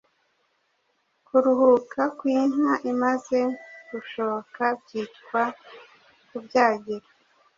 Kuruhuka kw’Inka imaze gushoka byitwa Kubyagira